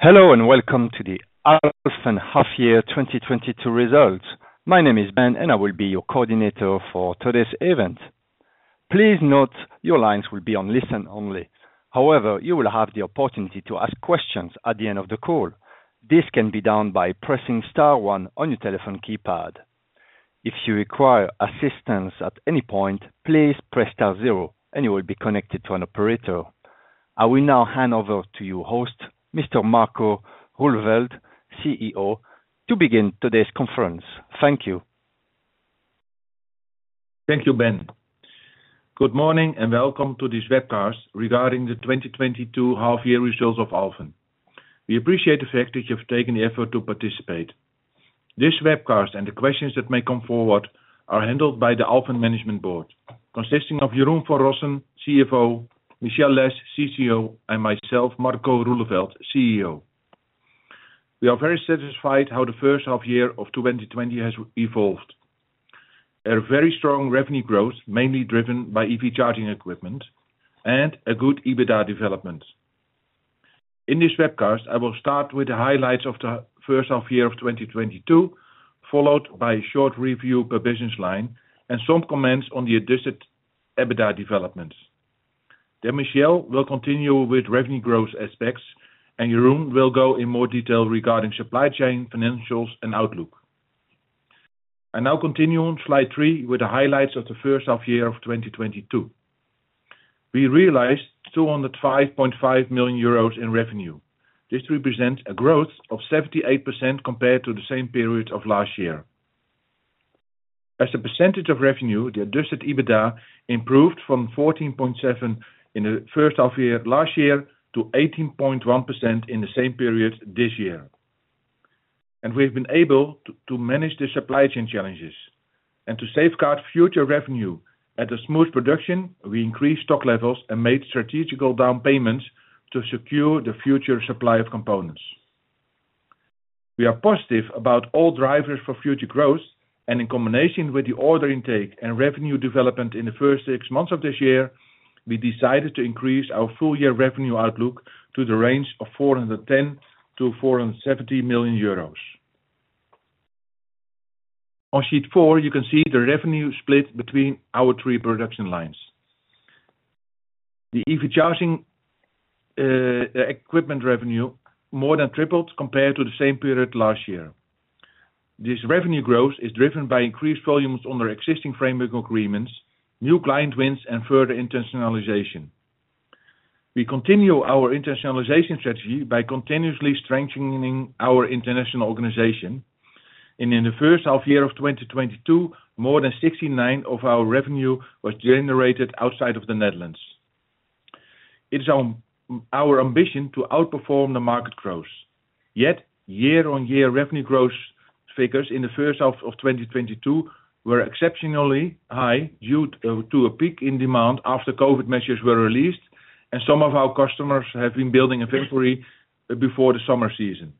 Hello, and welcome to the Alfen Half Year 2022 Results. My name is Ben, and I will be your coordinator for today's event. Please note your lines will be on listen only. However, you will have the opportunity to ask questions at the end of the call. This can be done by pressing star one on your telephone keypad. If you require assistance at any point, please press star zero and you will be connected to an operator. I will now hand over to your host, Mr. Marco Roeleveld, CEO, to begin today's conference. Thank you. Thank you, Ben. Good morning and welcome to this webcast regarding the 2022 half year results of Alfen. We appreciate the fact that you've taken the effort to participate. This webcast and the questions that may come forward are handled by the Alfen management board, consisting of Jeroen van Rossen, CFO, Michelle Lesh, CCO, and myself, Marco Roeleveld, CEO. We are very satisfied how the first half year of 2022 has evolved. A very strong revenue growth, mainly driven by EV charging equipment and a good EBITDA development. In this webcast, I will start with the highlights of the first half year of 2022, followed by a short review per business line and some comments on the adjusted EBITDA developments. Then Michelle will continue with revenue growth aspects, and Jeroen will go in more detail regarding supply chain financials and outlook. I now continue on slide three with the highlights of the first half year of 2022. We realized 205.5 million euros in revenue. This represents a growth of 78% compared to the same period of last year. As a percentage of revenue, the adjusted EBITDA improved from 14.7% in the first half year of last year to 18.1% in the same period this year. We've been able to manage the supply chain challenges and to safeguard future revenue. To ensure a smooth production, we increased stock levels and made strategic down payments to secure the future supply of components. We are positive about all drivers for future growth and in combination with the order intake and revenue development in the first six months of this year, we decided to increase our full-year revenue outlook to the range of 410 million-470 million euros. On sheet four, you can see the revenue split between our three production lines. The EV charging equipment revenue more than tripled compared to the same period last year. This revenue growth is driven by increased volumes under existing framework agreements, new client wins, and further internationalization. We continue our internationalization strategy by continuously strengthening our international organization. In the first half year of 2022, more than 69% of our revenue was generated outside of the Netherlands. It's our ambition to outperform the market growth. Yet year-on-year revenue growth figures in the first half of 2022 were exceptionally high due to a peak in demand after COVID measures were released and some of our customers have been building inventory before the summer season.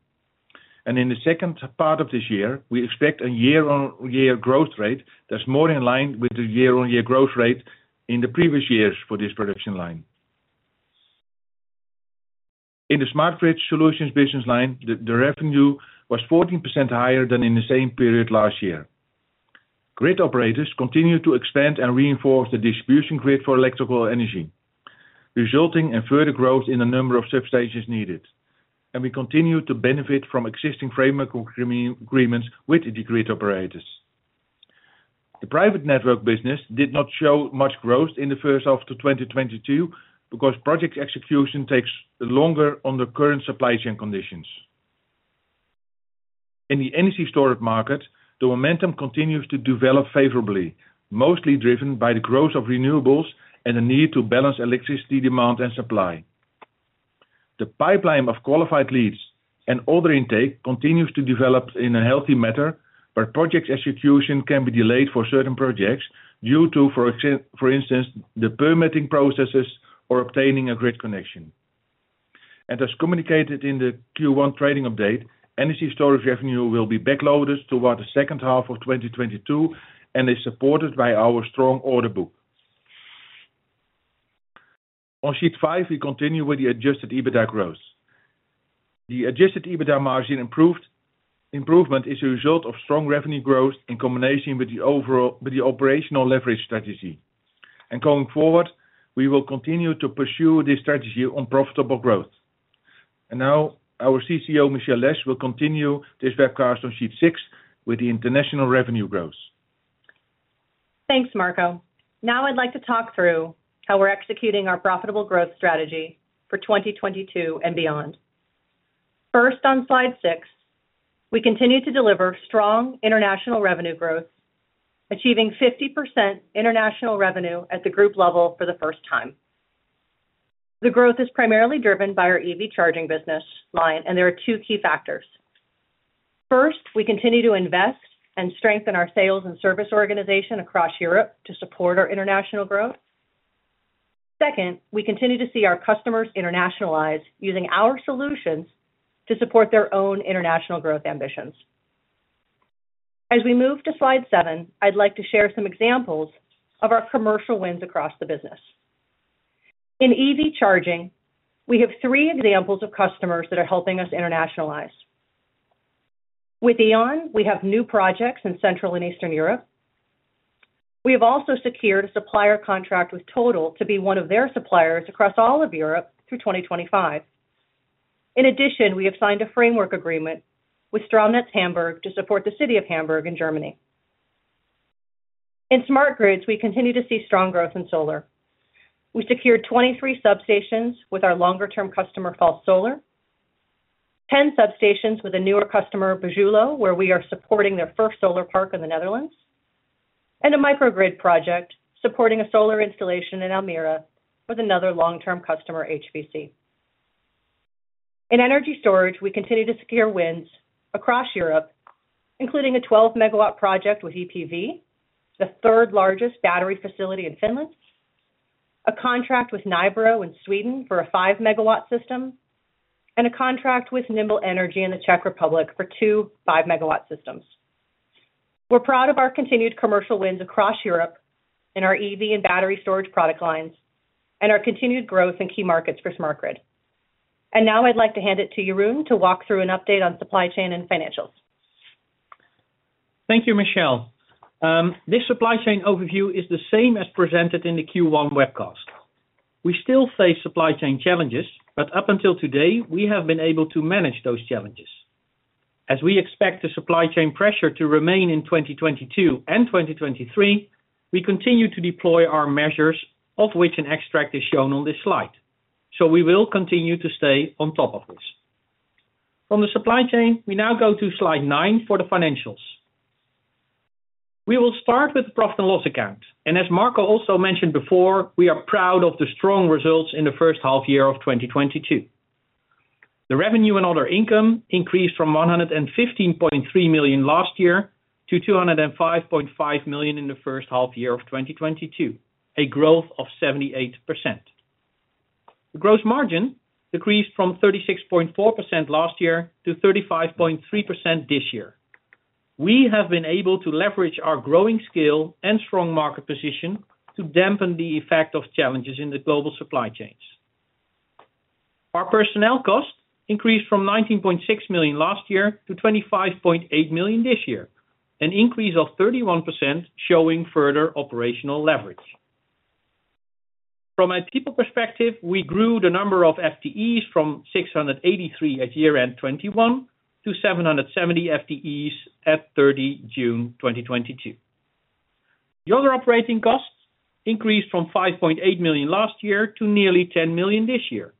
In the second part of this year, we expect a year-on-year growth rate that's more in line with the year-on-year growth rate in the previous years for this production line. In the Smart Grid Solutions business line, the revenue was 14% higher than in the same period last year. Grid operators continued to expand and reinforce the distribution grid for electrical energy, resulting in further growth in the number of substations needed. We continued to benefit from existing framework agreements with the grid operators. The private network business did not show much growth in the first half of 2022 because project execution takes longer under current supply chain conditions. In the energy storage market, the momentum continues to develop favorably, mostly driven by the growth of renewables and the need to balance electricity demand and supply. The pipeline of qualified leads and order intake continues to develop in a healthy manner, but project execution can be delayed for certain projects due to, for instance, the permitting processes or obtaining a grid connection. As communicated in the Q1 trading update, energy storage revenue will be backloaded toward the second half of 2022 and is supported by our strong order book. On sheet five, we continue with the adjusted EBITDA growth. The adjusted EBITDA margin improved. Improvement is a result of strong revenue growth in combination with the operational leverage strategy. Going forward, we will continue to pursue this strategy on profitable growth. Now our CCO, Michelle Lesh, will continue this webcast on sheet six with the international revenue growth. Thanks, Marco. Now I'd like to talk through how we're executing our profitable growth strategy for 2022 and beyond. First, on slide six, we continue to deliver strong international revenue growth, achieving 50% international revenue at the group level for the first time. The growth is primarily driven by our EV charging business line, and there are two key factors. First, we continue to invest and strengthen our sales and service organization across Europe to support our international growth. Second, we continue to see our customers internationalize using our solutions to support their own international growth ambitions. As we move to slide seven, I'd like to share some examples of our commercial wins across the business. In EV charging, we have three examples of customers that are helping us internationalize. With E.ON, we have new projects in Central and Eastern Europe. We have also secured a supplier contract with TotalEnergies to be one of their suppliers across all of Europe through 2025. In addition, we have signed a framework agreement with Stromnetz Hamburg to support the city of Hamburg in Germany. In smart grids, we continue to see strong growth in solar. We secured 23 substations with our longer-term customer, Pulsar, 10 substations with a newer customer, Beuningen, where we are supporting their first solar park in the Netherlands, and a microgrid project supporting a solar installation in Almere with another long-term customer, HVC. In energy storage, we continue to secure wins across Europe, including a 12-megawatt project with EPV, the third-largest battery facility in Finland, a contract with Nybro in Sweden for a 5-megawatt system, and a contract with Nimble Energy in the Czech Republic for two 5-megawatt systems. We're proud of our continued commercial wins across Europe in our EV and battery storage product lines and our continued growth in key markets for Smart Grid. Now I'd like to hand it to Jeroen to walk through an update on supply chain and financials. Thank you, Michelle. This supply chain overview is the same as presented in the Q1 webcast. We still face supply chain challenges, but up until today, we have been able to manage those challenges. As we expect the supply chain pressure to remain in 2022 and 2023, we continue to deploy our measures, of which an extract is shown on this slide. We will continue to stay on top of this. From the supply chain, we now go to slide nine for the financials. We will start with the profit and loss account. As Marco also mentioned before, we are proud of the strong results in the first half year of 2022. The revenue and other income increased from 115.3 million last year to 205.5 million in the first half year of 2022, a growth of 78%. The gross margin decreased from 36.4% last year to 35.3% this year. We have been able to leverage our growing skill and strong market position to dampen the effect of challenges in the global supply chains. Our personnel costs increased from 19.6 million last year to 25.8 million this year, an increase of 31% showing further operational leverage. From a people perspective, we grew the number of FTEs from 683 at year-end 2021 to 770 FTEs at 30 June 2022. The other operating costs increased from 5.8 million last year to nearly 10 million this year.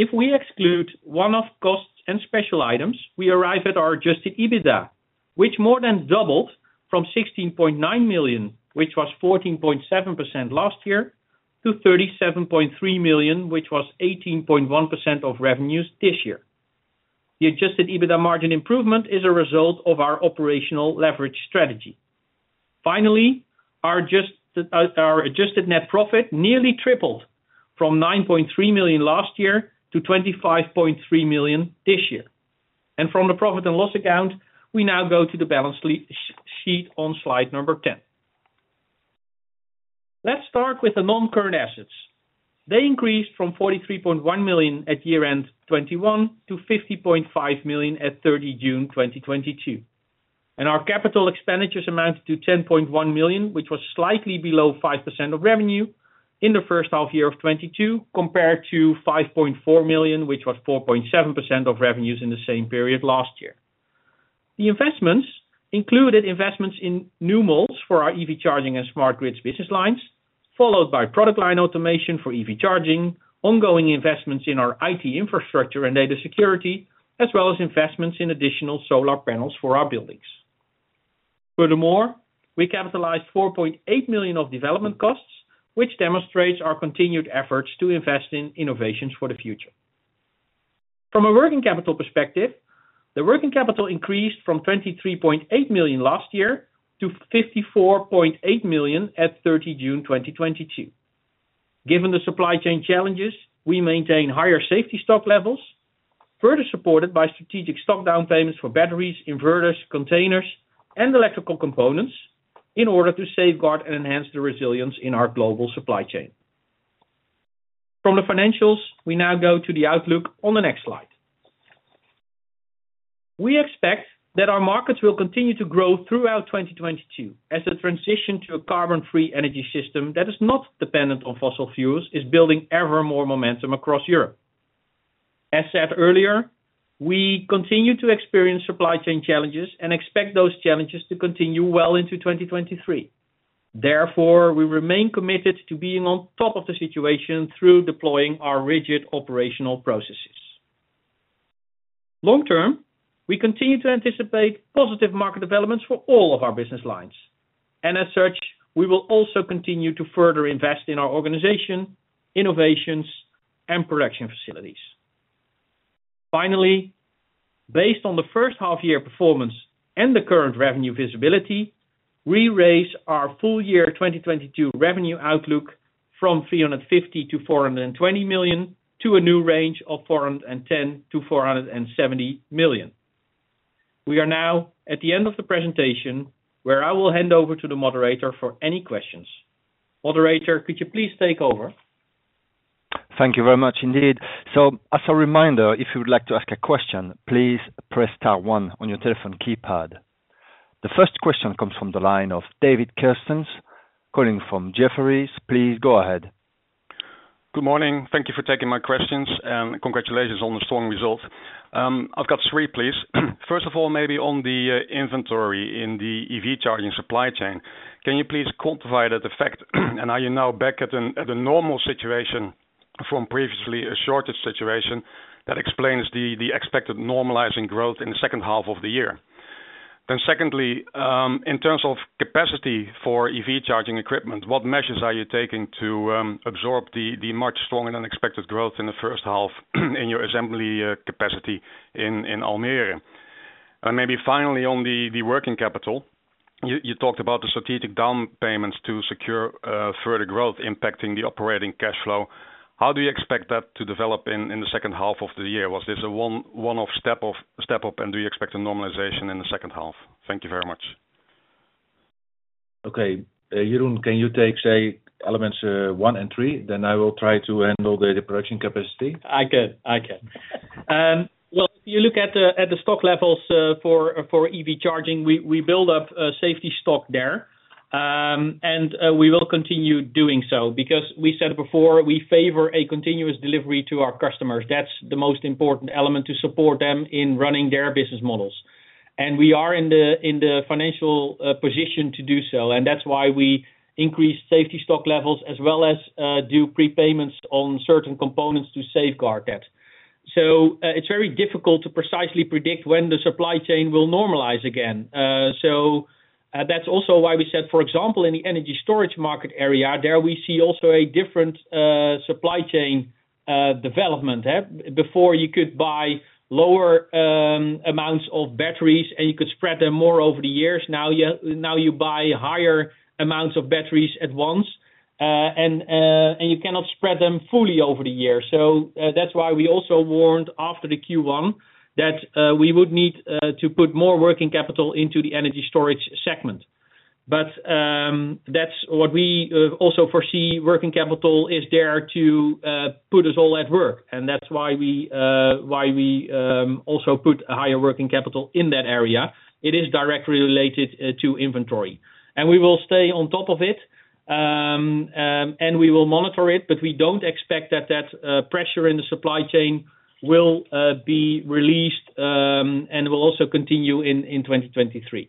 If we exclude one-off costs and special items, we arrive at our adjusted EBITDA, which more than doubled from 16.9 million, which was 14.7% last year, to 37.3 million, which was 18.1% of revenues this year. The adjusted EBITDA margin improvement is a result of our operational leverage strategy. Finally, our adjusted net profit nearly tripled from 9.3 million last year to 25.3 million this year. From the profit and loss account, we now go to the balance sheet on slide number 10. Let's start with the non-current assets. They increased from 43.1 million at year-end 2021 to 50.5 million at 30 June 2022. Our capital expenditures amount to 10.1 million, which was slightly below 5% of revenue in the first half year of 2022, compared to 5.4 million, which was 4.7% of revenues in the same period last year. The investments included investments in new molds for our EV charging and smart grids business lines, followed by product line automation for EV charging, ongoing investments in our IT infrastructure and data security, as well as investments in additional solar panels for our buildings. Furthermore, we capitalized 4.8 million of development costs, which demonstrates our continued efforts to invest in innovations for the future. From a working capital perspective, the working capital increased from 23.8 million last year to 54.8 million at 30 June 2022. Given the supply chain challenges, we maintain higher safety stock levels, further supported by strategic stock down payments for batteries, inverters, containers, and electrical components in order to safeguard and enhance the resilience in our global supply chain. From the financials, we now go to the outlook on the next slide. We expect that our markets will continue to grow throughout 2022 as a transition to a carbon-free energy system that is not dependent on fossil fuels is building ever more momentum across Europe. As said earlier, we continue to experience supply chain challenges and expect those challenges to continue well into 2023. Therefore, we remain committed to being on top of the situation through deploying our rigid operational processes. Long term, we continue to anticipate positive market developments for all of our business lines. As such, we will also continue to further invest in our organization, innovations, and production facilities. Finally, based on the first half year performance and the current revenue visibility, we raise our full year 2022 revenue outlook from 350 million to 420 million to a new range of 410 million-470 million. We are now at the end of the presentation where I will hand over to the moderator for any questions. Moderator, could you please take over? Thank you very much indeed. As a reminder, if you would like to ask a question, please press star one on your telephone keypad. The first question comes from the line of David Kerstens, calling from Jefferies. Please go ahead. Good morning. Thank you for taking my questions, and congratulations on the strong results. I've got three, please. First of all, maybe on the inventory in the EV charging supply chain, can you please quantify that effect? Are you now back at a normal situation from previously a shortage situation that explains the expected normalizing growth in the second half of the year? Secondly, in terms of capacity for EV charging equipment, what measures are you taking to absorb the much stronger than expected growth in the first half in your assembly capacity in Almere? Maybe finally on the working capital, you talked about the strategic down payments to secure further growth impacting the operating cash flow. How do you expect that to develop in the second half of the year? Was this a one-off step up, and do you expect a normalization in the second half? Thank you very much. Okay. Jeroen, can you take, say, elements one and three, then I will try to handle the production capacity. I can. Well, if you look at the stock levels for EV charging, we build up a safety stock there. We will continue doing so because we said it before, we favor a continuous delivery to our customers. That's the most important element to support them in running their business models. We are in the financial position to do so, and that's why we increase safety stock levels as well as do prepayments on certain components to safeguard that. It's very difficult to precisely predict when the supply chain will normalize again. That's also why we said, for example, in the energy storage market area, there we see also a different supply chain development, yeah. Before you could buy lower amounts of batteries, and you could spread them more over the years. Now you buy higher amounts of batteries at once, and you cannot spread them fully over the years. That's why we also warned after the Q1 that we would need to put more working capital into the Energy Storage segment. That's what we also foresee. Working capital is there to put it all to work. That's why we also put a higher working capital in that area. It is directly related to inventory. We will stay on top of it and we will monitor it, but we don't expect that pressure in the supply chain will be released and will also continue in 2023.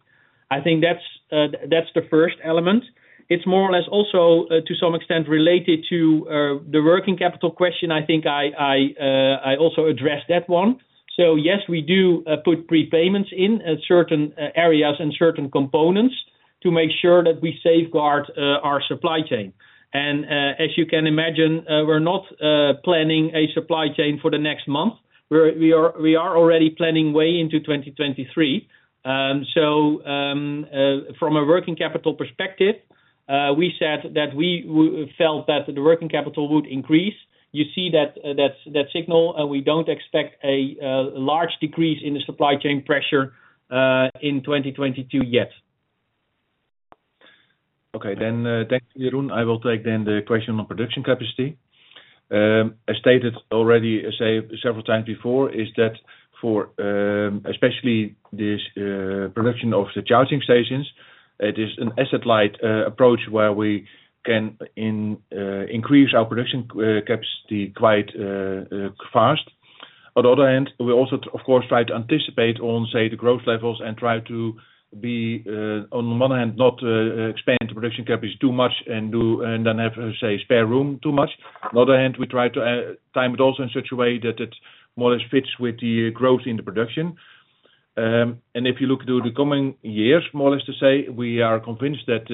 I think that's the first element. It's more or less also, to some extent related to, the working capital question. I think I also addressed that one. Yes, we do put prepayments in at certain areas and certain components to make sure that we safeguard our supply chain. As you can imagine, we're not planning a supply chain for the next month. We are already planning way into 2023. From a working capital perspective, we said that we felt that the working capital would increase. You see that signal, and we don't expect a large decrease in the supply chain pressure in 2022 yet. Okay. Thanks, Jeroen. I will take then the question on production capacity. As stated already, say, several times before, is that for especially this production of the charging stations, it is an asset-light approach where we can increase our production capacity quite fast. On the other hand, we also, of course, try to anticipate on, say, the growth levels and try to be on the one hand, not expand the production capacity too much and then have, say, spare room too much. On the other hand, we try to time it also in such a way that it more or less fits with the growth in the production. If you look to the coming years, more or less to say, we are convinced that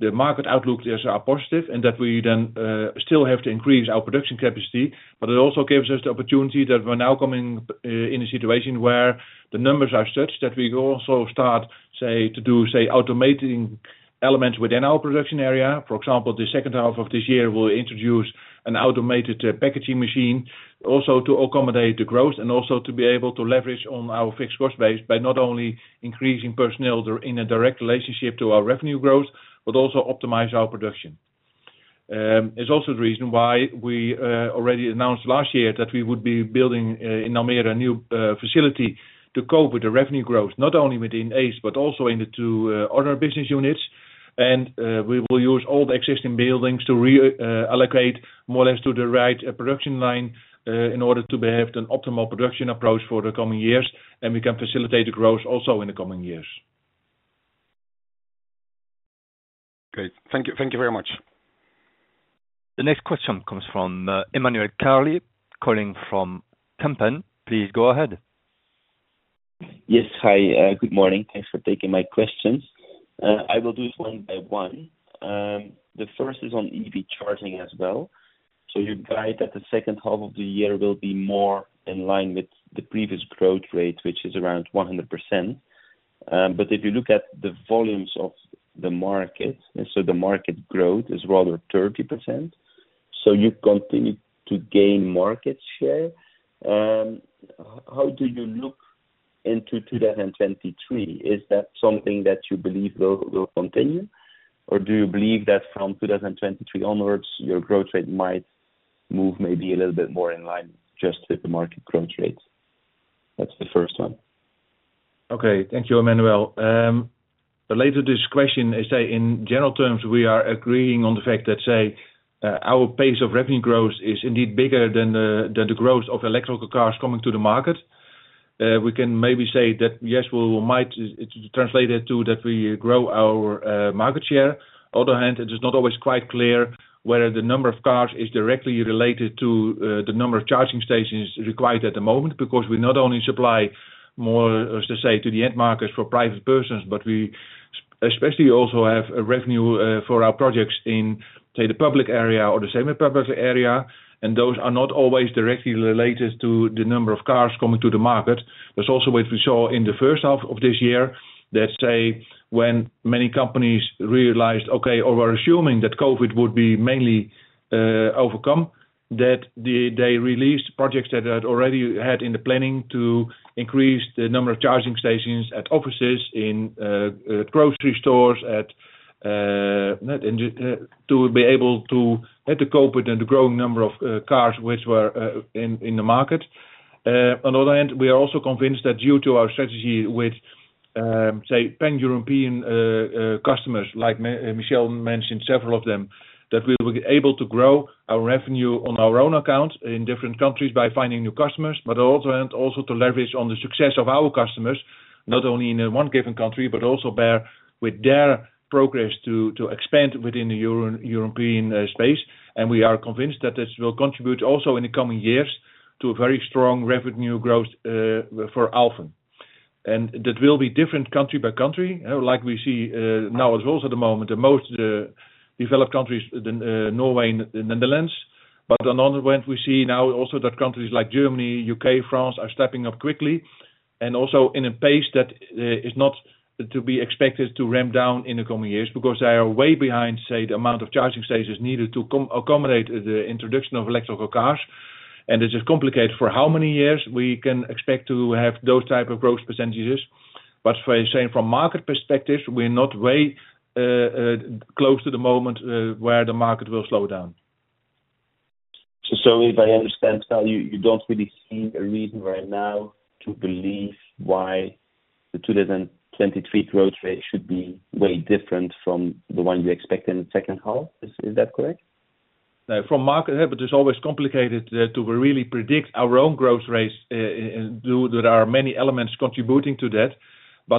the market outlook is positive and that we then still have to increase our production capacity. It also gives us the opportunity that we're now coming in a situation where the numbers are such that we also start, say, to do, say, automating elements within our production area. For example, the second half of this year, we'll introduce an automated packaging machine also to accommodate the growth and also to be able to leverage on our fixed cost base by not only increasing personnel in a direct relationship to our revenue growth but also optimize our production. It's also the reason why we already announced last year that we would be building in Almere a new facility to cope with the revenue growth, not only within ACE but also in the two other business units. We will use all the existing buildings to allocate more or less to the right production line in order to have an optimal production approach for the coming years, and we can facilitate the growth also in the coming years. Great. Thank you. Thank you very much. The next question comes from, Emmanuel Carlier, calling from Kempen. Please go ahead. Yes. Hi, good morning. Thanks for taking my questions. I will do this one by one. The first is on EV charging as well. You guide that the second half of the year will be more in line with the previous growth rate, which is around 100%. But if you look at the volumes of the market, and so the market growth is rather 30%, so you continue to gain market share. How do you look into 2023? Is that something that you believe will continue? Or do you believe that from 2023 onwards, your growth rate might move maybe a little bit more in line just with the market growth rates? That's the first one. Okay, thank you, Emmanuel. Related to this question, let's say in general terms, we are agreeing on the fact that, say, our pace of revenue growth is indeed bigger than the growth of electric cars coming to the market. We can maybe say that, yes, we might translate it to that we grow our market share. On the other hand, it is not always quite clear whether the number of cars is directly related to the number of charging stations required at the moment, because we not only supply more, so to say, to the end markets for private persons, but we especially also have a revenue for our projects in, say, the public area or the semi-public area, and those are not always directly related to the number of cars coming to the market. That's also what we saw in the first half of this year that, say, when many companies realized, okay, or we're assuming that COVID would be mainly overcome, that they released projects that they had already had in the planning to increase the number of charging stations at offices, in grocery stores, to be able to have to cope with the growing number of cars which were in the market. On the other end, we are also convinced that due to our strategy with, say, pan-European customers, like Michelle mentioned several of them, that we will be able to grow our revenue on our own account in different countries by finding new customers, but also to leverage on the success of our customers, not only in one given country, but also bear with their progress to expand within the European space. We are convinced that this will contribute also in the coming years to a very strong revenue growth for Alfen. That will be different country by country, like we see now as well at the moment, the most developed countries, Norway and Netherlands. On other end, we see now also that countries like Germany, U.K., France, are stepping up quickly and also in a pace that is not to be expected to ramp down in the coming years because they are way behind, say, the amount of charging stations needed to accommodate the introduction of electric cars. This is complicated for how many years we can expect to have those type of growth percentages. Saying from market perspective, we're not way close to the moment where the market will slow down. If I understand well, you don't really see a reason right now to believe why the 2023 growth rate should be way different from the one you expect in the second half. Is that correct? From market, but it's always complicated to really predict our own growth rates, due there are many elements contributing to that.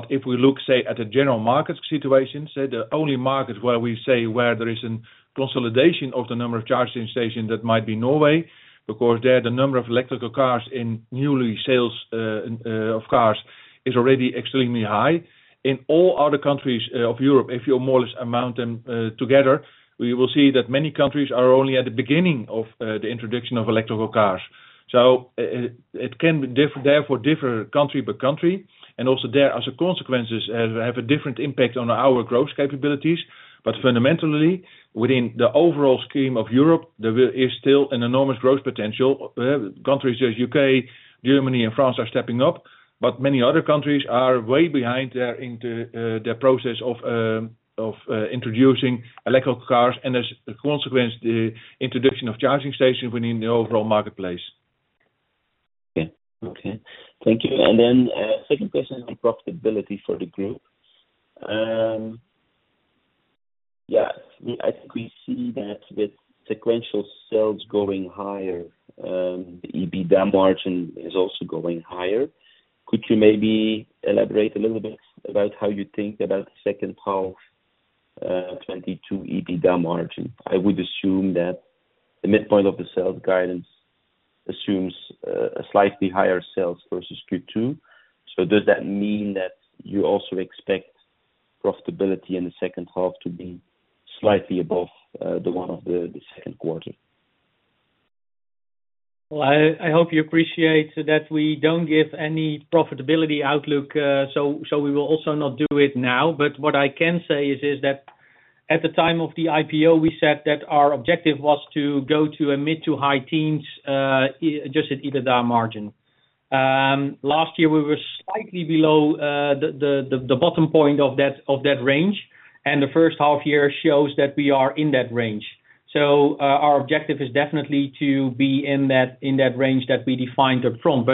If we look, say, at a general market situation, say the only market where we say where there is a consolidation of the number of charging stations, that might be Norway, because there, the number of electric cars in new sales of cars is already extremely high. In all other countries of Europe, if you more or less add them together, we will see that many countries are only at the beginning of the introduction of electric cars. So it can be therefore different country by country, and also there are consequences have a different impact on our growth capabilities. Fundamentally, within the overall scheme of Europe, there is still an enormous growth potential. Countries such as U.K., Germany and France are stepping up, but many other countries are way behind in their process of introducing electric cars, and as a consequence, the introduction of charging stations within the overall marketplace. Okay. Thank you. Second question on profitability for the group. I think we see that with sequential sales going higher, the EBITDA margin is also going higher. Could you maybe elaborate a little bit about how you think about the second half, 2022 EBITDA margin? I would assume that the midpoint of the sales guidance assumes a slightly higher sales versus Q2. Does that mean that you also expect profitability in the second half to be slightly above the one of the second quarter? Well, I hope you appreciate that we don't give any profitability outlook, so we will also not do it now. What I can say is that at the time of the IPO, we said that our objective was to go to a mid- to high-teens adjusted EBITDA margin. Last year, we were slightly below the bottom point of that range, and the first half year shows that we are in that range. Our objective is definitely to be in that range that we defined up front.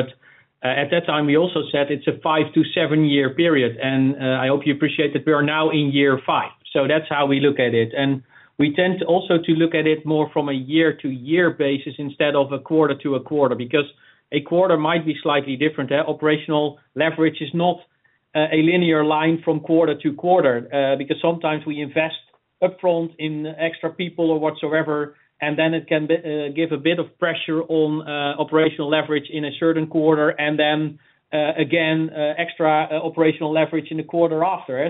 At that time, we also said it's a 5- to 7-year period, and I hope you appreciate that we are now in year five. That's how we look at it. We tend to also look at it more from a year-to-year basis instead of a quarter-to-quarter, because a quarter might be slightly different. Operational leverage is not A linear line from quarter to quarter, because sometimes we invest upfront in extra people or whatsoever, and then it can give a bit of pressure on operational leverage in a certain quarter, and then again, extra operational leverage in the quarter after.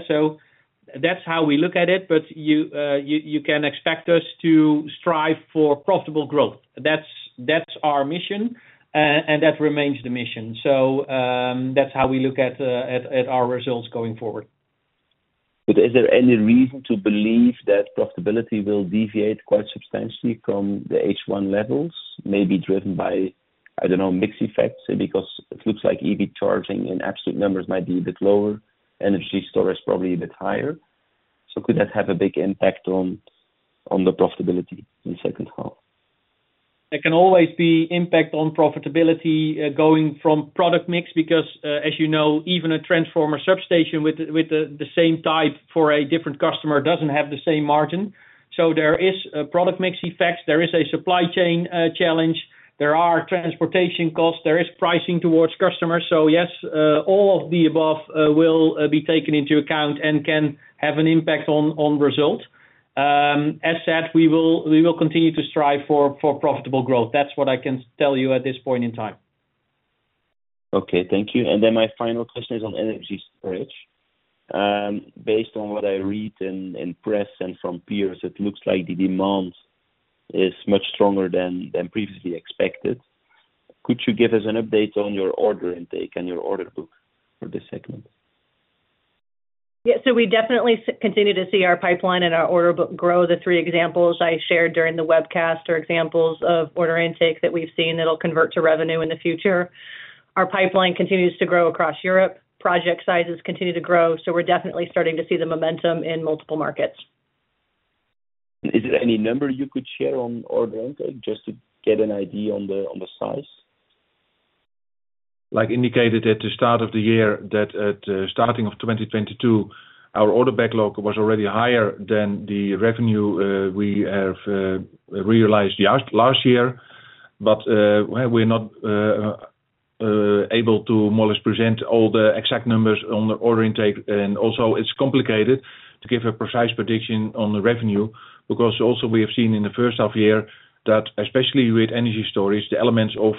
That's how we look at it, but you can expect us to strive for profitable growth. That's our mission, and that remains the mission. That's how we look at our results going forward. Is there any reason to believe that profitability will deviate quite substantially from the H1 levels, maybe driven by, I don't know, mix effects? Because it looks like EV charging in absolute numbers might be a bit lower. Energy storage probably a bit higher. Could that have a big impact on the profitability in second half? There can always be impact on profitability, going from product mix, because, as you know, even a transformer substation with the same type for a different customer doesn't have the same margin. There is a product mix effect. There is a supply chain challenge. There are transportation costs. There is pricing towards customers. Yes, all of the above will be taken into account and can have an impact on results. As said, we will continue to strive for profitable growth. That's what I can tell you at this point in time. Okay. Thank you. Then my final question is on energy storage. Based on what I read in press and from peers, it looks like the demand is much stronger than previously expected. Could you give us an update on your order intake and your order book for this segment? Yeah. We definitely continue to see our pipeline and our order book grow. The three examples I shared during the webcast are examples of order intake that we've seen that'll convert to revenue in the future. Our pipeline continues to grow across Europe. Project sizes continue to grow, so we're definitely starting to see the momentum in multiple markets. Is there any number you could share on order intake, just to get an idea on the size? As indicated at the start of the year that at starting of 2022, our order backlog was already higher than the revenue we have realized last year. We're not able to more or less present all the exact numbers on the order intake. It's complicated to give a precise prediction on the revenue, because we have seen in the first half year that, especially with Energy Storage, the elements of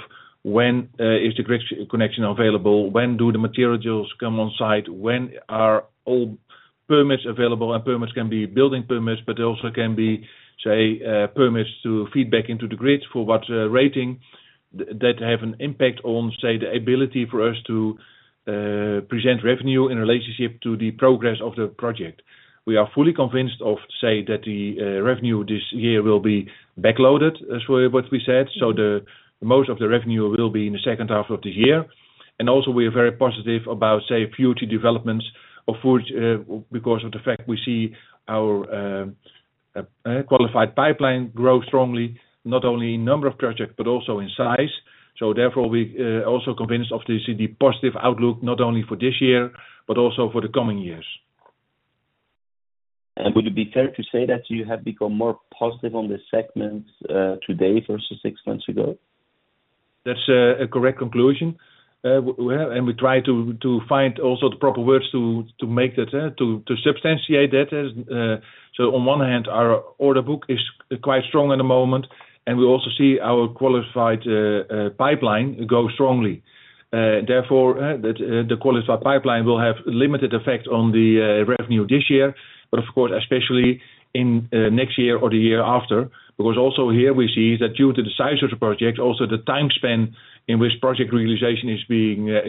when is the grid connection available, when do the materials come on site, when are all permits available, and permits can be building permits, but also can be, say, permits to feed back into the grid for what rating. That have an impact on, say, the ability for us to present revenue in relationship to the progress of the project. We are fully convinced of, say, that the revenue this year will be backloaded, as what we said. The most of the revenue will be in the second half of the year. also we are very positive about, say, future developments of which, because of the fact we see our qualified pipeline grow strongly, not only in number of projects but also in size. Therefore, we also convinced of this, the positive outlook, not only for this year but also for the coming years. Would it be fair to say that you have become more positive on this segment, today versus six months ago? That's a correct conclusion. We try to find also the proper words to make that substantiate that. And so on one hand, our order book is quite strong at the moment, and we also see our qualified pipeline grow strongly. Therefore, the qualified pipeline will have limited effect on the revenue this year, but of course, especially in next year or the year after, because also here we see that due to the size of the project, also the time spent in which project realization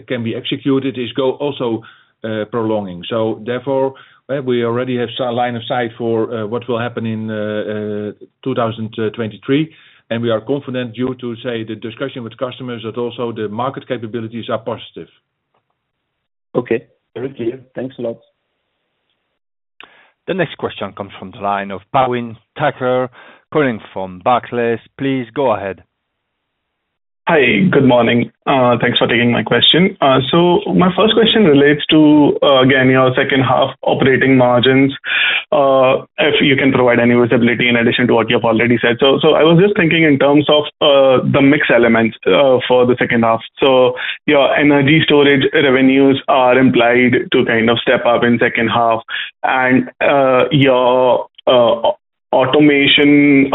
can be executed is also prolonging. Therefore, we already have line of sight for what will happen in 2023, and we are confident due to, say, the discussion with customers that also the market capabilities are positive. Okay. Very clear. Thanks a lot. The next question comes from the line of Bhawin Thakker calling from Barclays. Please go ahead. Hi. Good morning. Thanks for taking my question. My first question relates to, again, your second half operating margins, if you can provide any visibility in addition to what you have already said. I was just thinking in terms of the mix elements for the second half. Your Energy Storage revenues are implied to kind of step up in second half. Your automation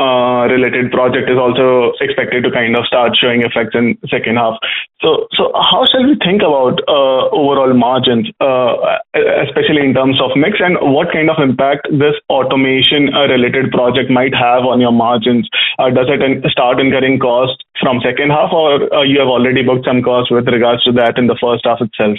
related project is also expected to kind of start showing effects in second half. How shall we think about overall margins, especially in terms of mix, and what kind of impact this automation related project might have on your margins? Does it start incurring costs from second half, or you have already booked some costs with regards to that in the first half itself?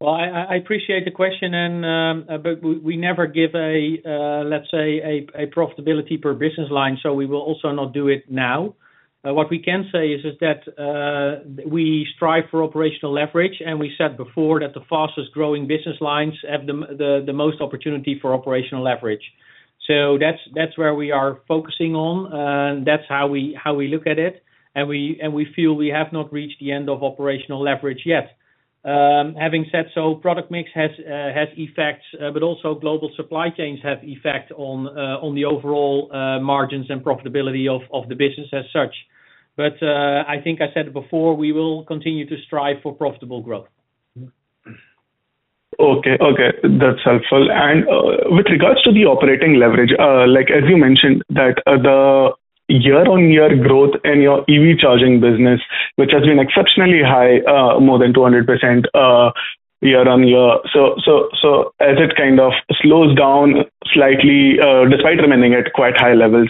Well, I appreciate the question and, but we never give, let's say, a profitability per business line, so we will also not do it now. What we can say is that we strive for operational leverage, and we said before that the fastest-growing business lines have the most opportunity for operational leverage. That's where we are focusing on. That's how we look at it. And we feel we have not reached the end of operational leverage yet. Having said so, product mix has effects, but also global supply chains have effect on the overall margins and profitability of the business as such. I think I said before, we will continue to strive for profitable growth. Okay. That's helpful. With regards to the operating leverage, like as you mentioned that, the year-on-year growth in your EV charging business, which has been exceptionally high, more than 200% year-on-year. As it kind of slows down slightly, despite remaining at quite high levels,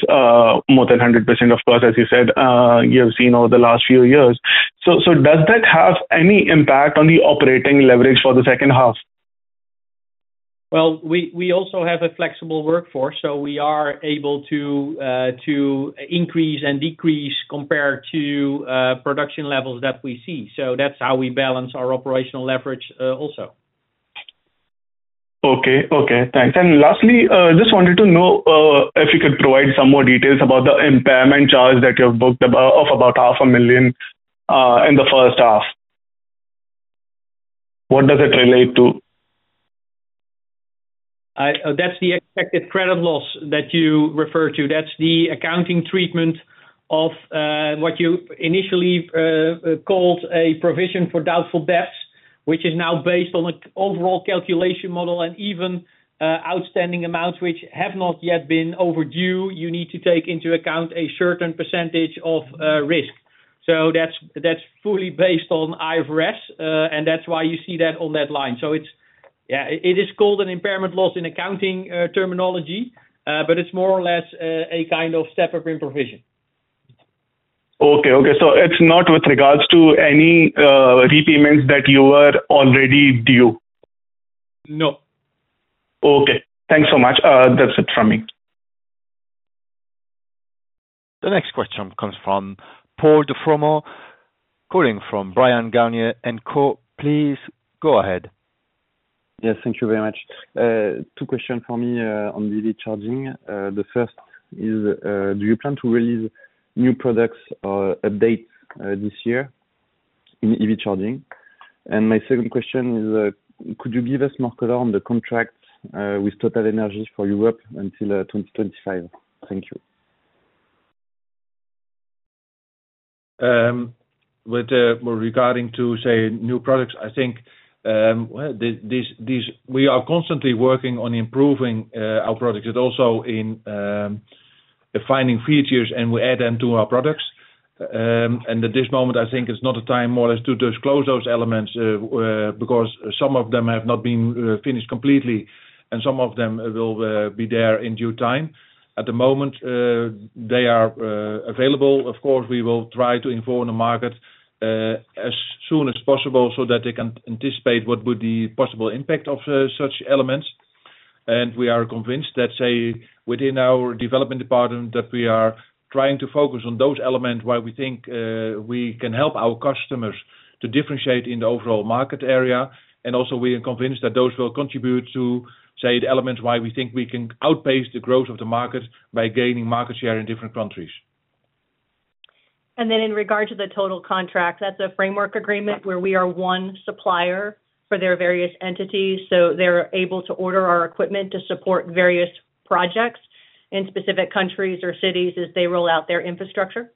more than 100%, of course, as you said, you have seen over the last few years. Does that have any impact on the operating leverage for the second half? Well, we also have a flexible workforce, so we are able to increase and decrease compared to production levels that we see. That's how we balance our operational leverage, also. Thanks. Lastly, just wanted to know if you could provide some more details about the impairment charge that you've booked about half a million EUR in the first half. What does it relate to? That's the expected credit loss that you refer to. That's the accounting treatment of what you initially called a provision for doubtful debts, which is now based on an overall calculation model and even outstanding amounts which have not yet been overdue. You need to take into account a certain percentage of risk. That's fully based on IFRS, and that's why you see that on that line. Yeah, it is called an impairment loss in accounting terminology, but it's more or less a kind of step-up in provision. Okay. It's not with regards to any repayments that you were already due? No. Okay. Thanks so much. That's it from me. The next question comes from Paul de Froment, calling from Bryan, Garnier & Co. Please go ahead. Yes, thank you very much. Two questions for me on EV charging. The first is, do you plan to release new products or updates this year in EV charging? My second question is, could you give us more color on the contract with TotalEnergies for Europe until 2025? Thank you. With regard to new products, I think we are constantly working on improving our products and also in defining features and we add them to our products. At this moment, I think it's not a time more or less to disclose those elements because some of them have not been finished completely, and some of them will be there in due time. At the moment, they are available. Of course, we will try to inform the market as soon as possible so that they can anticipate what would the possible impact of such elements. We are convinced that, say, within our development department, that we are trying to focus on those elements where we think we can help our customers to differentiate in the overall market area. Also, we are convinced that those will contribute to, say, the elements why we think we can outpace the growth of the market by gaining market share in different countries. In regard to the TotalEnergies contract, that's a framework agreement where we are one supplier for their various entities, so they're able to order our equipment to support various projects in specific countries or cities as they roll out their infrastructure.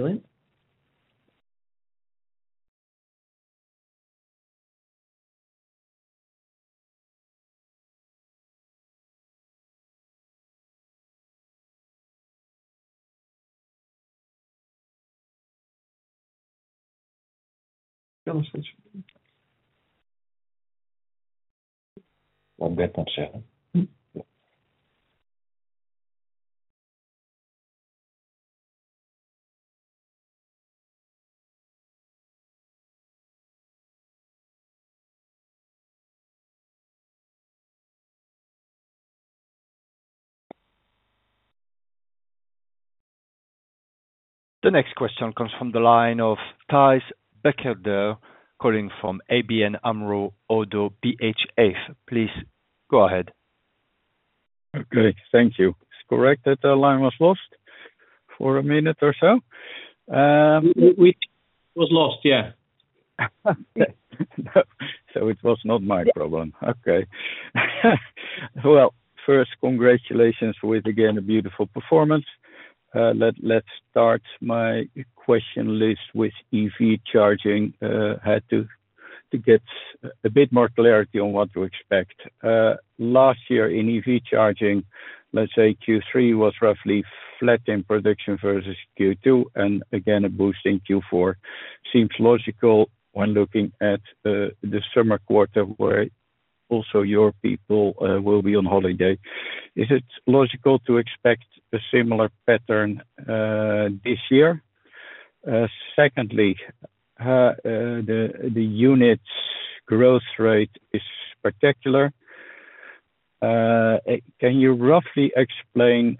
Excellent. The next question comes from the line of Thijs Berkelder, calling from ABN AMRO ODDO BHF. Please go ahead. Okay. Thank you. It's correct that the line was lost for a minute or so. It was lost, yeah. It was not my problem. Yeah. Okay. Well, first, congratulations with, again, a beautiful performance. Let's start my question list with EV charging to get a bit more clarity on what to expect. Last year in EV charging, let's say Q3 was roughly flat in production versus Q2, and again, a boost in Q4 seems logical when looking at the summer quarter, where also your people will be on holiday. Is it logical to expect a similar pattern this year? Secondly, the unit's growth rate is particular. Can you roughly explain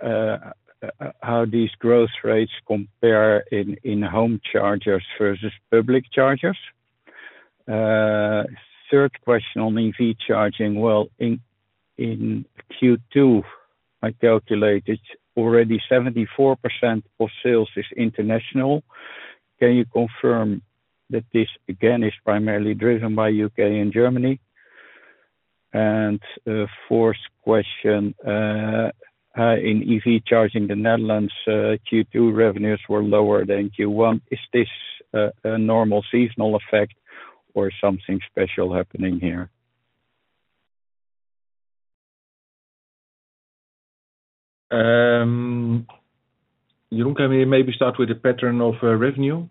how these growth rates compare in home chargers versus public chargers? Third question on EV charging. Well, in Q2, I calculated already 74% of sales is international. Can you confirm that this, again, is primarily driven by U.K. and Germany? Fourth question. In EV charging, the Netherlands, Q2 revenues were lower than Q1. Is this a normal seasonal effect or something special happening here? Jeroen, can we maybe start with the pattern of revenue?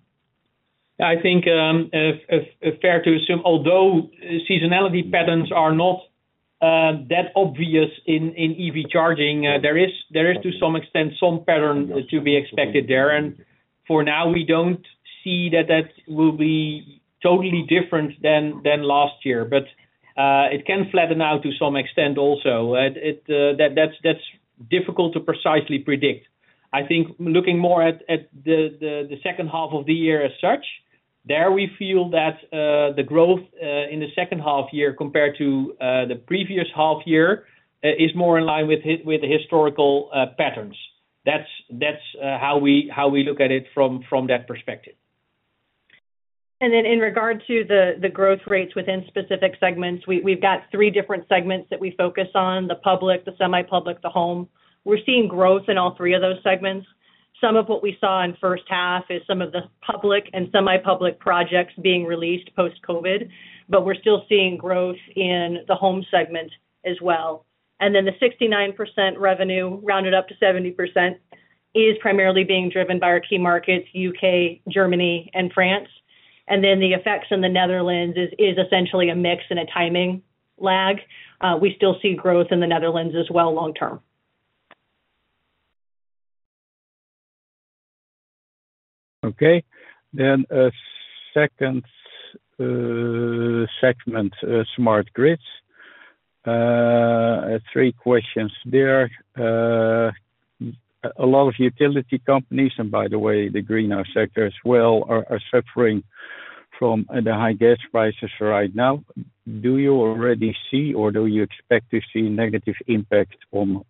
I think it's fair to assume, although seasonality patterns are not that obvious in EV charging, there is to some extent some pattern to be expected there. For now we don't see that that will be totally different than last year. It can flatten out to some extent also. That's difficult to precisely predict. I think looking more at the second half of the year as such, there we feel that the growth in the second half year compared to the previous half year is more in line with historical patterns. That's how we look at it from that perspective. In regard to the growth rates within specific segments, we've got three different segments that we focus on, the public, the semi-public, the home. We're seeing growth in all three of those segments. Some of what we saw in first half is some of the public and semi-public projects being released post-COVID, but we're still seeing growth in the home segment as well. The 69% revenue rounded up to 70% is primarily being driven by our key markets, U.K., Germany, and France. The effects in the Netherlands is essentially a mix and a timing lag. We still see growth in the Netherlands as well long term. Okay. Second segment, smart grids. Three questions there. A lot of utility companies, and by the way, the greenhouse sector as well, are suffering from the high gas prices right now. Do you already see or do you expect to see negative impact on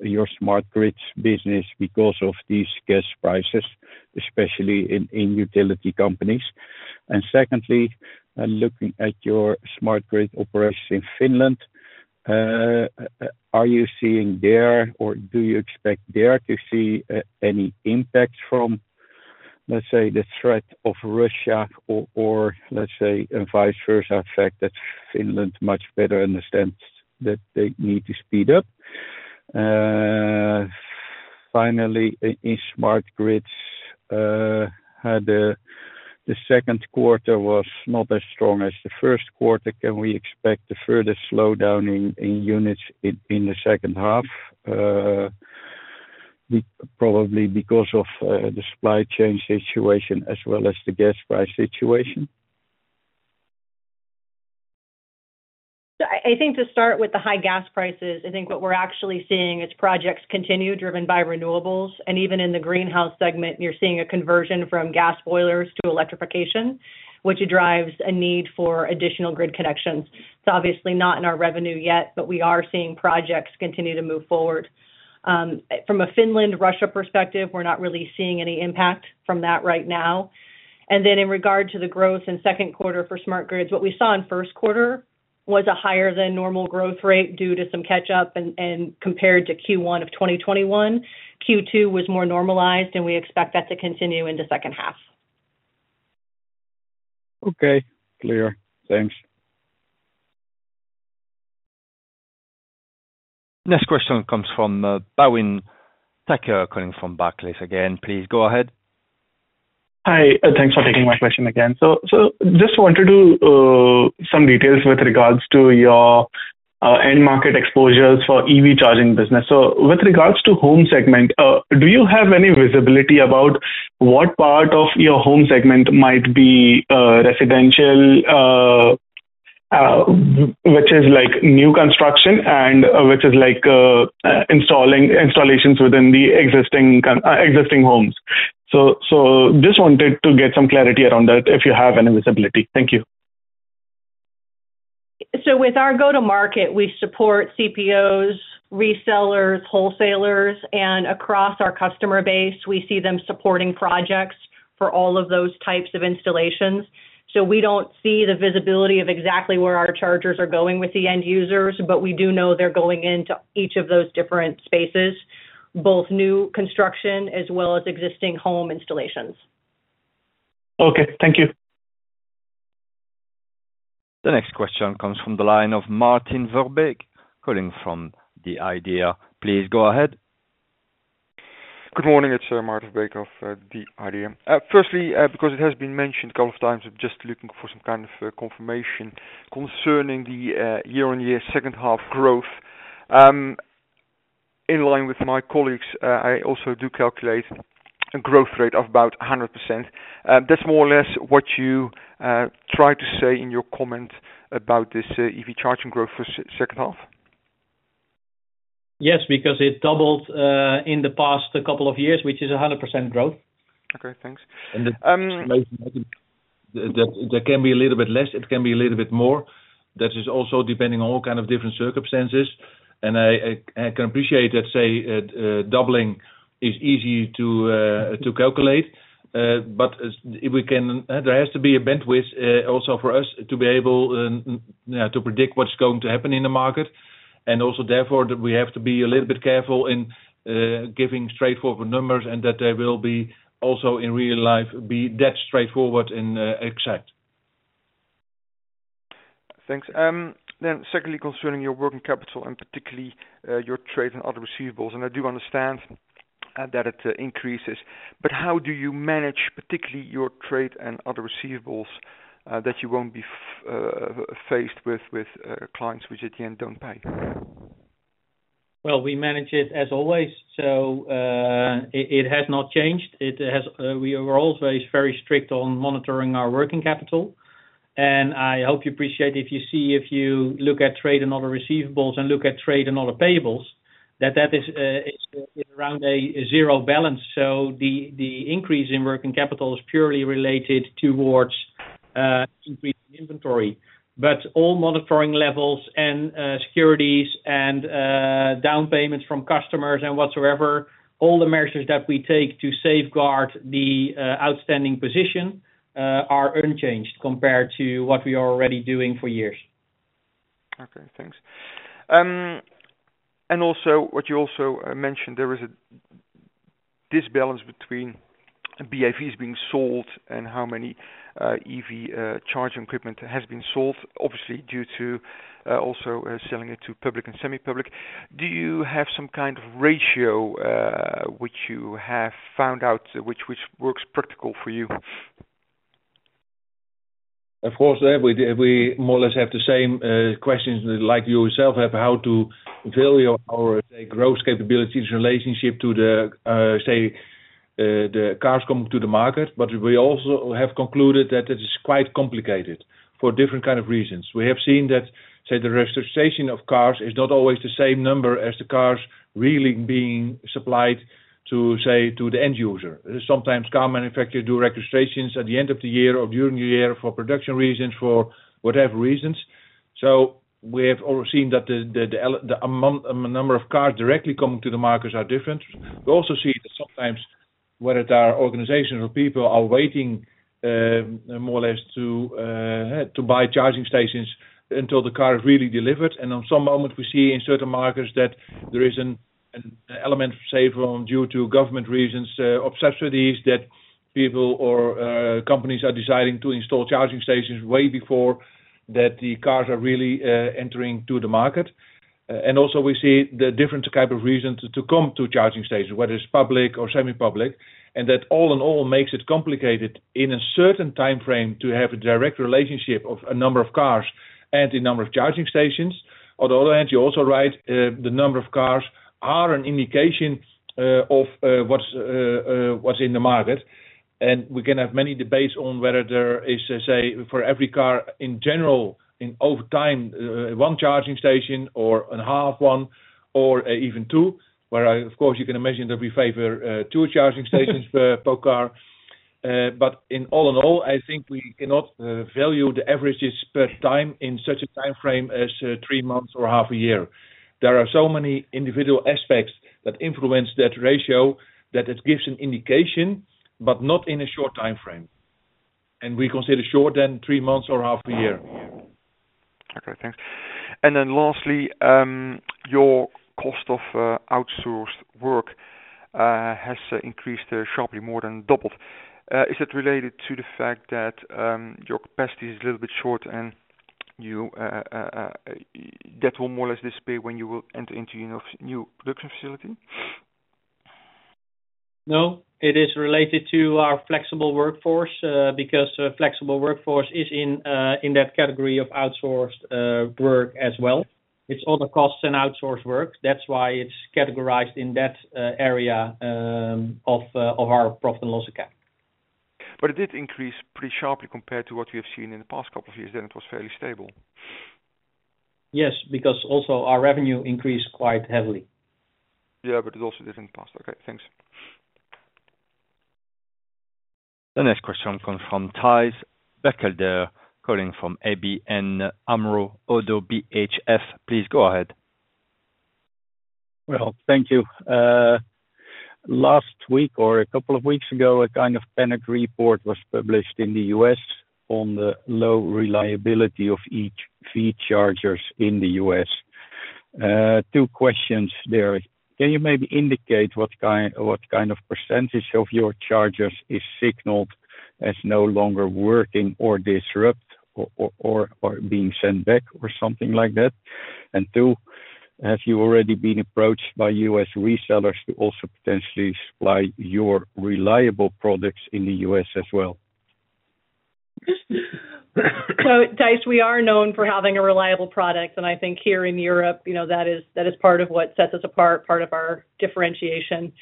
your smart grids business because of these gas prices, especially in utility companies? Secondly, looking at your smart grid operations in Finland, are you seeing there, or do you expect there to see any impact from, let's say, the threat of Russia or, let's say a vice versa effect that Finland much better understands that they need to speed up? Finally, in smart grids, the second quarter was not as strong as the first quarter. Can we expect a further slowdown in units in the second half, probably because of the supply chain situation as well as the gas price situation? I think to start with the high gas prices, I think what we're actually seeing is projects continue driven by renewables, and even in the greenhouse segment, you're seeing a conversion from gas boilers to electrification, which drives a need for additional grid connections. It's obviously not in our revenue yet, but we are seeing projects continue to move forward. From a Finland-Russia perspective, we're not really seeing any impact from that right now. In regard to the growth in second quarter for smart grids, what we saw in first quarter was a higher than normal growth rate due to some catch up and compared to Q1 of 2021. Q2 was more normalized, and we expect that to continue into second half. Okay. Clear. Thanks. Next question comes from, Bhawin Thakker calling from Barclays again. Please go ahead. Hi. Thanks for taking my question again. Just wanted to get some details with regards to your end market exposures for EV charging business. With regards to home segment, do you have any visibility about what part of your home segment might be residential, which is like new construction and which is like installations within the existing homes. Just wanted to get some clarity around that if you have any visibility. Thank you. With our go-to market, we support CPOs, resellers, wholesalers, and across our customer base, we see them supporting projects for all of those types of installations. We don't see the visibility of exactly where our chargers are going with the end users, but we do know they're going into each of those different spaces, both new construction as well as existing home installations. Okay. Thank you. The next question comes from the line of Maarten Verbeek, calling from the IDEA!. Please go ahead. Good morning. It's Maarten Verbeek of the IDEA!. Firstly, because it has been mentioned a couple of times, I'm just looking for some kind of confirmation concerning the year-on-year second half growth. In line with my colleagues, I also do calculate a growth rate of about 100%. That's more or less what you try to say in your comment about this EV charging growth for second half. Yes, because it doubled in the past couple of years, which is 100% growth. Okay, thanks. That can be a little bit less, it can be a little bit more. That is also depending on all kind of different circumstances. I can appreciate that, say, doubling is easy to calculate. But there has to be a bandwidth also for us to be able to predict what's going to happen in the market. Also, therefore, we have to be a little bit careful in giving straightforward numbers and that they will be also in real life, be that straightforward and exact. Thanks. Secondly, concerning your working capital and particularly your trade and other receivables, and I do understand that it increases. How do you manage particularly your trade and other receivables that you won't be faced with clients which at the end don't pay? Well, we manage it as always. It has not changed. We were always very strict on monitoring our working capital. I hope you appreciate if you see, if you look at trade and other receivables and look at trade and other payables, that is around a zero balance. The increase in working capital is purely related towards increasing inventory. All monitoring levels and securities and down payments from customers and whatsoever, all the measures that we take to safeguard the outstanding position are unchanged compared to what we are already doing for years. Okay, thanks. What you also mentioned, there is an imbalance between BEVs being sold and how many EV charging equipment has been sold, obviously due to also selling it to public and semi-public. Do you have some kind of ratio which you have found out which works practically for you? Of course, we more or less have the same questions like yourself have how to value our say growth capabilities in relationship to the say the cars coming to the market. We also have concluded that it is quite complicated for different kind of reasons. We have seen that say the registration of cars is not always the same number as the cars really being supplied to say to the end user. Sometimes car manufacturers do registrations at the end of the year or during the year for production reasons, for whatever reasons. We have all seen that the amount number of cars directly coming to the markets are different. We also see that sometimes whether there are organizational people are waiting more or less to buy charging stations until the car is really delivered. On some moment, we see in certain markets that there is an element, say, due to government reasons, subsidies that people or companies are deciding to install charging stations way before the cars are really entering the market. Also we see the different type of reasons to come to a charging station, whether it's public or semi-public, and that all in all makes it complicated in a certain timeframe to have a direct relationship of a number of cars and the number of charging stations. On the other hand, you're also right, the number of cars are an indication of what's in the market. We can have many debates on whether there is, say, for every car in general over time, one charging station or a half one or even two. Where, of course, you can imagine that we favor two charging stations per car. All in all, I think we cannot value the averages over time in such a timeframe as three months or half a year. There are so many individual aspects that influence that ratio, that it gives an indication, but not in a short timeframe. We consider shorter than three months or half a year. Okay, thanks. Lastly, your cost of outsourced work has increased sharply, more than doubled. Is it related to the fact that your capacity is a little bit short and that will more or less disappear when you will enter into your new production facility? No, it is related to our flexible workforce, because flexible workforce is in that category of outsourced work as well. It's all the costs and outsourced work. That's why it's categorized in that area of our profit and loss account. It did increase pretty sharply compared to what we have seen in the past couple of years, then it was fairly stable. Yes, because also our revenue increased quite heavily. Yeah, it also did in the past. Okay, thanks. The next question comes from Thijs Berkelder, calling from ABN AMRO ODDO BHF. Please go ahead. Well, thank you. Last week or a couple of weeks ago, a kind of panic report was published in the U.S. on the low reliability of EV chargers in the U.S. Two questions there. Can you maybe indicate what kind of percentage of your chargers is signaled as no longer working or disrupted or being sent back or something like that? Two, have you already been approached by U.S. resellers to also potentially supply your reliable products in the U.S. as well? Thijs, we are known for having a reliable product, and I think here in Europe, you know, that is part of what sets us apart, part of our differentiation.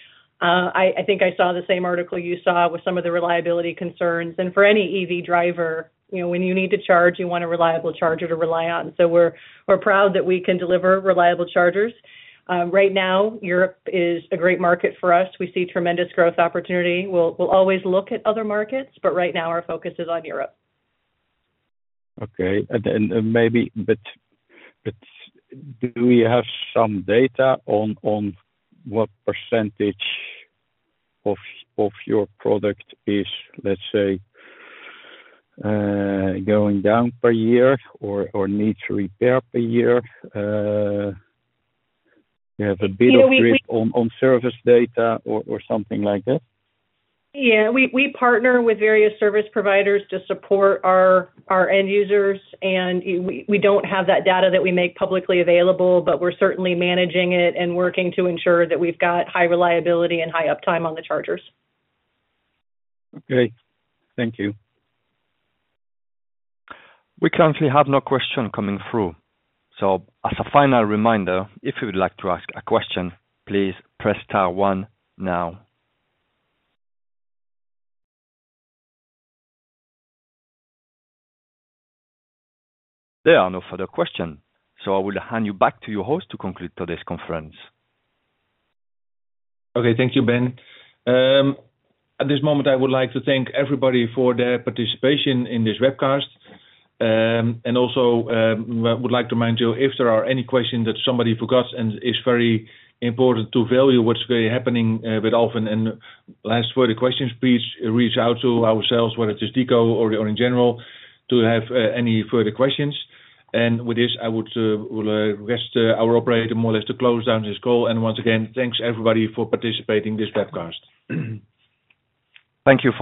I think I saw the same article you saw with some of the reliability concerns. For any EV driver, you know, when you need to charge, you want a reliable charger to rely on. We're proud that we can deliver reliable chargers. Right now, Europe is a great market for us. We see tremendous growth opportunity. We'll always look at other markets, but right now our focus is on Europe. Okay. Do we have some data on what percentage of your product is, let's say, going down per year or needs repair per year? You have a bit of grip on service data or something like that? Yeah. We partner with various service providers to support our end users, and we don't have that data that we make publicly available, but we're certainly managing it and working to ensure that we've got high reliability and high uptime on the chargers. Okay. Thank you. We currently have no questions coming through. As a final reminder, if you would like to ask a question, please press star one now. There are no further questions, so I will hand you back to your host to conclude today's conference. Okay. Thank you, Ben. At this moment, I would like to thank everybody for their participation in this webcast. I would also like to remind you, if there are any questions that somebody forgot and is very important to value what's really happening with Alfen. Last further questions, please reach out to ourselves, whether it is Dico or in general to have any further questions. With this, I will request our operator more or less to close down this call. Once again, thanks everybody for participating this webcast. Thank you.